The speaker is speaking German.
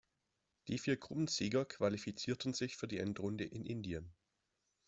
Die vier Gruppensieger qualifizierten sich für die Endrunde in Indien.